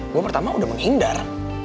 gue pertama udah menghindar